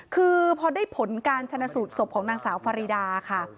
คือพอได้ผลการชนะสูตรศพของนางสาวฟารีดาค่ะ